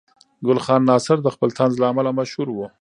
ګل خان ناصر د خپل طنز له امله مشهور و.